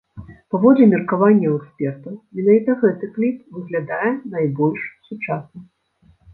Паводле меркаванняў экспертаў, менавіта гэты кліп выглядае найбольш сучасна.